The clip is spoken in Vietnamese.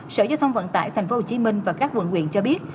sở giao thông vận tải tp hcm và các quận quyện cho biết